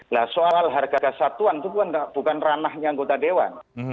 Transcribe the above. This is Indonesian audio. nah soal harga kesatuan itu bukan ranahnya anggota dewan